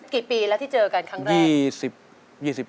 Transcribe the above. กี่ปีแล้วที่เจอกันครั้งแรก